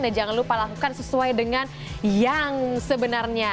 jangan lupa lakukan sesuai dengan yang sebenarnya